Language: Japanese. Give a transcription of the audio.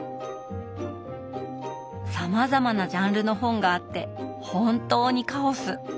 さまざまなジャンルの本があって本当にカオス！